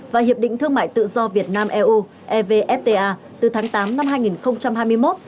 và hiệp định thương mại tự do việt nam eu evfta từ tháng tám năm hai nghìn hai mươi một